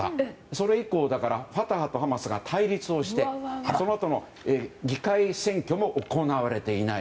それ以降、ファタハとハマスが対立をしてそのあとの議会選挙も行われていない。